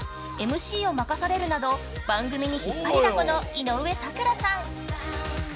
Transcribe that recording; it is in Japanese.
ＭＣを任されるなど、番組に引っ張りだこの井上咲楽さん。